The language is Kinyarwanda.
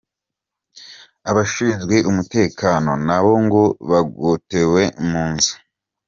Abashinzwe umutekano nabo ngo bagotewe mu nzu.